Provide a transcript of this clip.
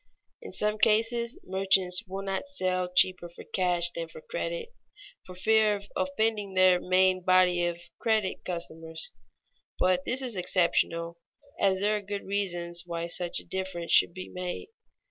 _ In some cases merchants will not sell cheaper for cash than for credit, for fear of offending their main body of credit customers; but this is exceptional, as there are good reasons why such a difference should be made.